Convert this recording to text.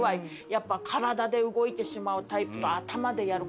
やっぱ体で動いてしまうタイプと頭でやる